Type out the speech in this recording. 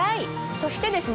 そしてですね